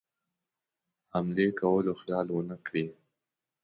حملې کولو خیال ونه کړي.